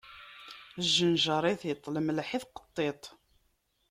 Jjenjaṛ i tiṭ, lemleḥ i tqeṭṭiṭ.